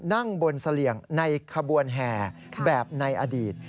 นั่งบนเสลี่ยงในขบวนแห่แบบในอดีต